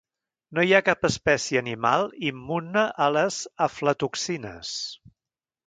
No hi ha cap espècie animal immune a les aflatoxines.